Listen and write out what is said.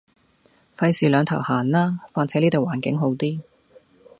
費事兩頭行啦，況且呢度環境好啲